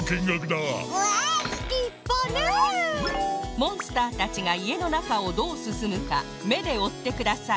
モンスターたちがいえのなかをどうすすむかめでおってください